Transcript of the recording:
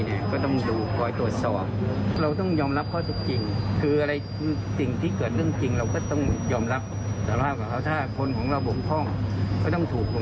ถ้าคนของเราบ่งคล่องก็ต้องถูกภงโทษตามระเบียบตามวินัย